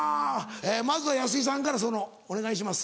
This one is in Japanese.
まずは安井さんからそのお願いします。